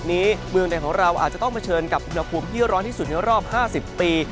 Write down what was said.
เมืองใดของเราอาจจะต้องเผชิญกับอุณหภูมิที่ร้อนที่สุดในรอบ๕๐ปี